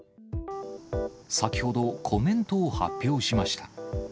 先ほど、コメントを発表しました。